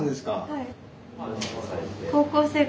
はい。